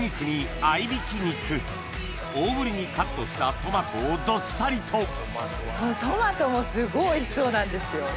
大ぶりにカットしたトマトをどっさりとトマトもすごいおいしそうなんですよ。